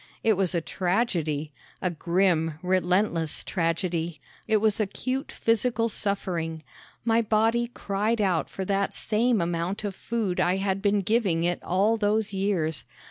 It was a tragedy a grim, relentless tragedy! It was acute physical suffering. My body cried out for that same amount of food I had been giving it all those years.